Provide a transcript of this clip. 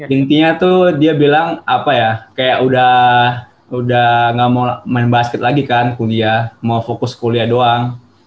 intinya tuh dia bilang apa ya kayak udah gak mau main basket lagi kan kuliah mau fokus kuliah doang